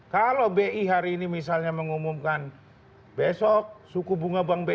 kalau bi hari ini misalnya mengumumkan besok suku bunga bank bi